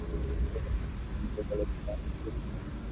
সাগরের ব্যাপারেও সরকারের দৃষ্টিভঙ্গি একই থাকবে বলে তিনি আশা প্রকাশ করেন।